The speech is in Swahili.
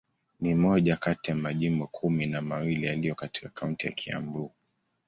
Ni moja kati ya majimbo kumi na mawili yaliyo katika kaunti ya Kiambu.